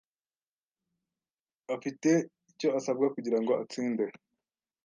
afite icyo asabwa kugirango atsinde.